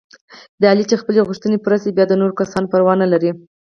د علي چې خپلې غوښتنې پوره شي، بیا د نورو کسانو پروا نه لري.